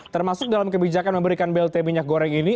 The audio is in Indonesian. termasuk dalam kebijakan memberikan blt minyak goreng ini